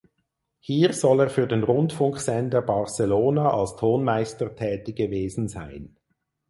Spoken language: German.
Hier soll er für den Rundfunksender Barcelona als Tonmeister tätig gewesen sein.